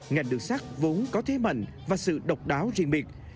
ngành đường sắt vốn có thế mạnh và sự độc đáo riêng biệt